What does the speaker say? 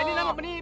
ini namanya penipu